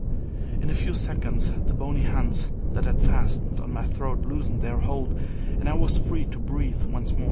In a few seconds the bony hands that had fastened on my throat loosened their hold, and I was free to breathe once more.